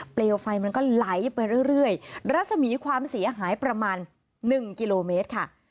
เปลวไฟมันก็ไหลไปเรื่อยรัศมีความเสียหายประมาณ๑กิโลเมตรค่ะ